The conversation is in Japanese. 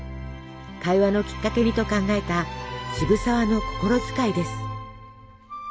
会話のきっかけにと考えた渋沢の心遣いです。